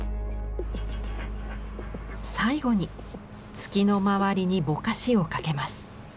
最後に月の周りにぼかしをかけます。